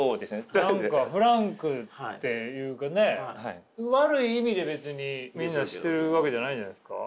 何かフランクっていうかね悪い意味で別にみんなしてるわけじゃないじゃないですか？